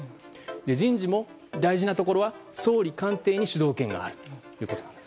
人事も大事なところは総理官邸に主導権があるということです。